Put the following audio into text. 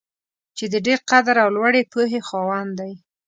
چې د ډېر قدر او لوړې پوهې خاوند دی.